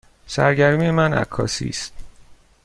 سرگرمی من عکاسی است.